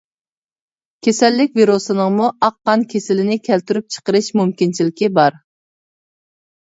كېسەللىك ۋىرۇسىنىڭمۇ ئاق قان كېسىلىنى كەلتۈرۈپ چىقىرىش مۇمكىنچىلىكى بار.